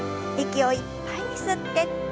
息をいっぱいに吸って。